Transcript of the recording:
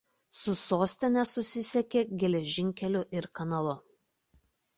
Su sostine susisiekia geležinkeliu ir kanalu.